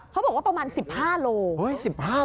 เขาบอกว่าประมาณ๑๕โล